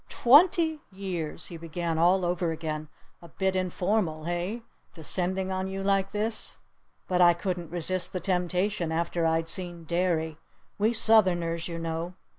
Twenty years!" he began all over again. "A bit informal, eh? Descending on you like this? But I couldn't resist the temptation after I'd seen Derry. We Southerners, you know!